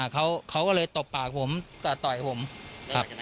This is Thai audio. เขาก็เลยตบปากผมแต่ต่อยผมครับ